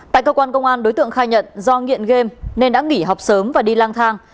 tại cơ quan công an đối tượng khai nhận do nghiện game nên đã nghỉ học sớm và đi lang thang